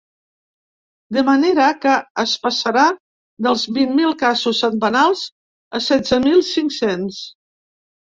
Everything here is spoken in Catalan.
De manera que es passarà dels vint mil casos setmanals a setze mil cinc-cents.